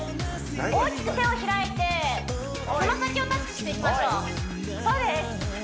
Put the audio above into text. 大きく手を開いて爪先をタッチしていきましょうそうです